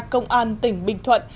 công an tỉnh bình thuận